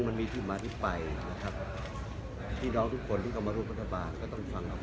อันนี้ดูเหมือนส่งสัญญาณถึงหัวหน้าภักดิ์ภรรยาประชาลักษณ์เลยนะครับ